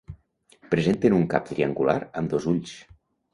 Presenten un cap triangular amb dos ulls.